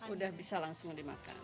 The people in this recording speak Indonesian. udah bisa langsung dimakan